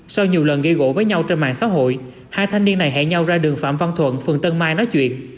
sau nhiều lần gây gỗ với nhau trên mạng xã hội hai thanh niên này hẹn nhau ra đường phạm văn thuận phường tân mai nói chuyện